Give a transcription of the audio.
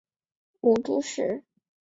母朱氏。